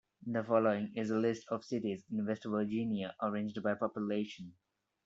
The following is a list of cities in West Virginia, arranged by population.